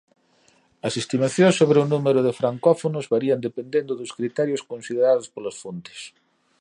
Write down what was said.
As estimacións sobre o número de francófonos varían dependendo dos criterios considerados polas fontes.